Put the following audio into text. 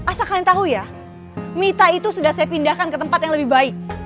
asal kalian tahu ya mita itu sudah saya pindahkan ke tempat yang lebih baik